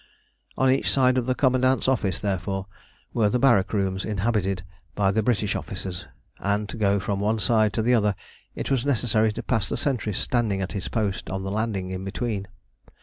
On each side of the commandant's office, therefore, were the barrack rooms inhabited by the British officers, and to go from one side to the other it was necessary to pass the sentry standing at his post on the landing in between.